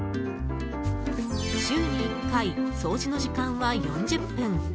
週に１回、掃除の時間は４０分。